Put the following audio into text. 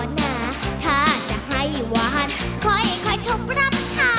ในสัพพิเภพ